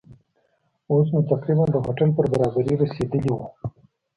اوس نو تقریباً د هوټل پر برابري رسېدلي وو.